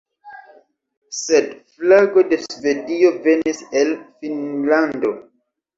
Sed flago de Svedio venis el Finnlando.